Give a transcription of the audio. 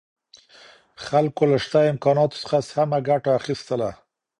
خلګو له شته امکاناتو څخه سمه ګټه اخیستله.